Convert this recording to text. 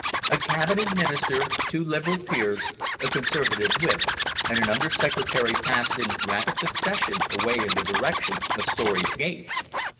A Cabinet Minister, two Liberal peers, a Conservative whip, and an Under secretary passed in rapid succession away in the direction of Storey's Gate.